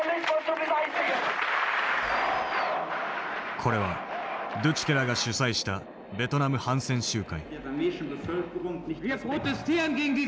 これはドゥチュケらが主催したベトナム反戦集会。